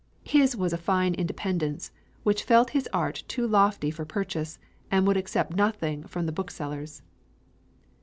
His was a fine independence, which felt his art too lofty for purchase, and would accept nothing from the booksellers.